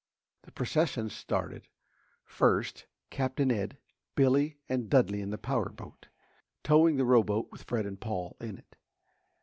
The procession started: first, Captain Ed, Billy and Dudley in the power boat, towing the rowboat with Fred and Paul in it.